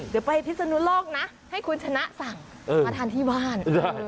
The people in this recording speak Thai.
เดี๋ยวไปพิศนุโลกนะให้คุณชนะสั่งมาทานที่บ้าน